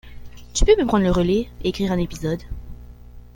Tu peux me prendre le relais, et écrire un épisode.